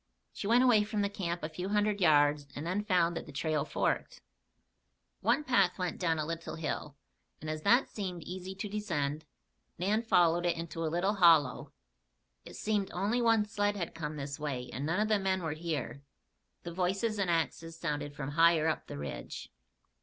She went away from the camp a few hundred yards and then found that the trail forked. One path went down a little hill, and as that seemed easy to descend, Nan followed it into a little hollow. It seemed only one sled had come this way and none of the men were here. The voices and axes sounded from higher up the ridge.